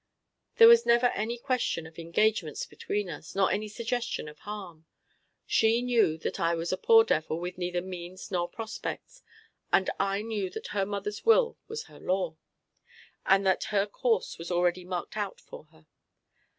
There was never any question of engagements between us, nor any suggestion of harm. She knew that I was a poor devil with neither means nor prospects, and I knew that her mother's will was her law, and that her course was already marked out for her.